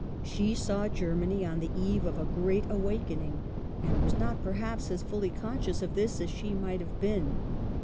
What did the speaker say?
She saw Germany on the eve of a great awakening, and was not perhaps as fully conscious of this as she might have been.